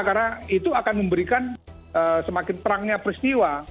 karena itu akan memberikan semakin terangnya peristiwa